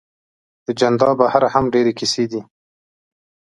اجندا بهر هم ډېرې کیسې دي.